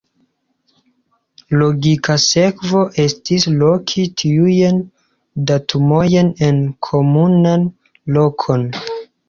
Logika sekvo estis loki tiujn datumojn en komunan lokon.